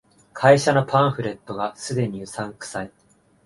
会社のパンフレットが既にうさんくさい